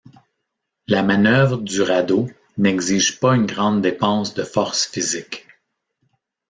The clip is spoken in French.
La manœuvre du radeau n’exige pas une grande dépense de force physique.